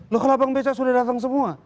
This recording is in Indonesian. loh kalau abang bca sudah datang semua